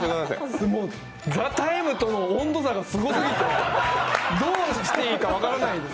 「ＴＨＥＴＩＭＥ，」との温度差がすごすぎてどうしたらいいか分からないです。